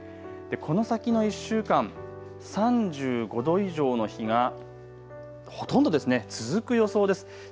この先の１週間、３５度以上の日がほとんど続く予想です。